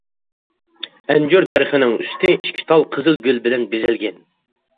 ئەنجۈر دەرىخىنىڭ ئۈستى ئىككى تال قىزىل گۈل بىلەن بېزەلگەن.